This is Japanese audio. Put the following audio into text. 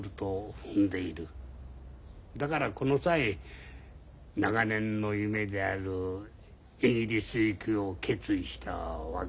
だからこの際長年の夢であるイギリス行きを決意したわけだ。